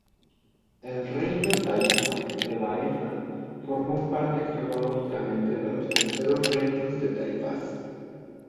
El reino taifa de Baeza formó parte cronológicamente de los terceros reinos de taifas.